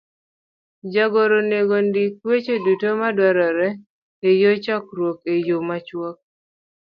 Jagoro onego ondik weche duto madwarore e chokruok e yo machuok,